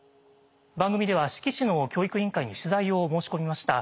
番組では志木市の教育委員会に取材を申し込みました。